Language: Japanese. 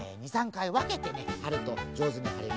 かいわけてねはるとじょうずにはれるよ。